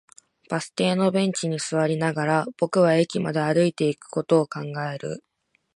バス停のベンチに座りながら、僕は駅まで歩いていくことを考える